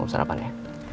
mau sarapan ya